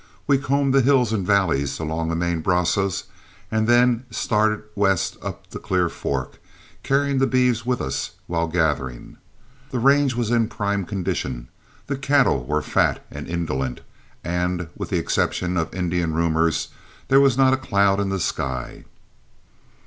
We combed the hills and valleys along the main Brazos, and then started west up the Clear Fork, carrying the beeves with us while gathering. The range was in prime condition, the cattle were fat and indolent, and with the exception of Indian rumors there was not a cloud in the sky.